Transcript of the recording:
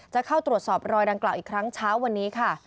จะเข้าตรวจสอบรอยดังกล่าวอีกครั้งเช้าวันนี้ค่ะ